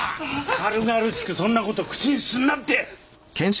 軽々しくそんな事口にすんなって！